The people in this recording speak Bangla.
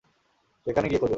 সেখানে গিয়ে খোঁজ।